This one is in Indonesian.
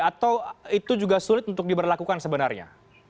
atau itu juga sulit untuk diberlakukan sebenarnya